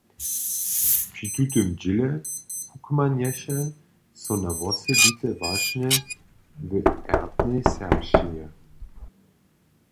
Při tutym dźěle wukmanješe so na wosebite wašnje w ertnej serbšćinje.